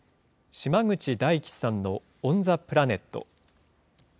島口大樹さんのオン・ザ・プラネット。